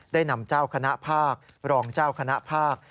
ได้นำเจ้าคณะภาครองเจ้าคณะภาค